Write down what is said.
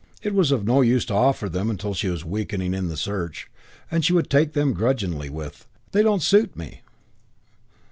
It was of no use to offer them till she was weakening in the search, and she would take them grudgingly with, "They don't suit me."